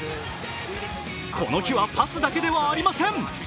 この日はパスだけではありません。